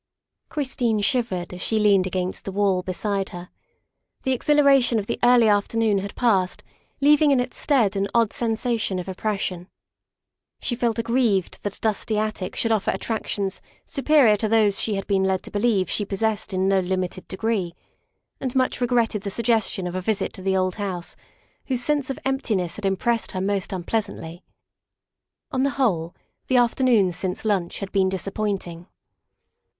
Christine shivered as she leaned against the wall beside her. The exhilaration of the early afternoon had passed, leaving in its stead an odd sensation of oppres 13 194 THE WIFE OF sion. She felt aggrieved that a dusty attic should offer attractions superior to those she had been led to believe she possessed in no limited degree, and much regretted the suggestion of a visit to the old house, whose sense of emptiness had impressed her most unpleasantly. On the whole, the afternoon since lunch had been disap pointing.